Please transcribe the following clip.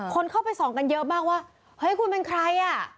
คนเข้าไปส่องกันเยอะมากว่าเฮ้ยคุณเป็นใครอ่ะ